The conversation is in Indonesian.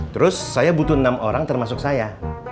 terus saya butuh enam orang termasuk saya